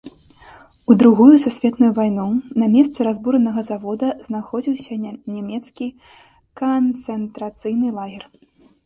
У другую сусветную вайну на месцы разбуранага завода знаходзіўся нямецкі канцэнтрацыйны лагер.